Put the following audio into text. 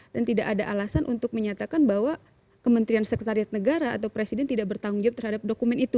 dan tidak ada alasan untuk menyatakan bahwa kementerian sekretariat negara atau presiden tidak bertanggung jawab terhadap dokumen itu